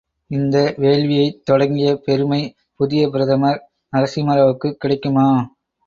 இந்த வேள்வியைத் தொடங்கிய பெருமை புதிய பிரதமர் நரசிம்மராவுக்குக் கிடைக்குமா!